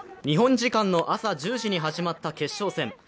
日本時間の朝１０時に始まった決勝戦。